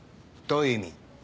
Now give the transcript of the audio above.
どういう意味？